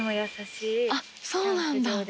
あっそうなんだ。